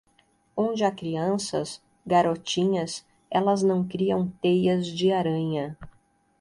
Onde há crianças, garotinhas, elas não criam teias de aranha.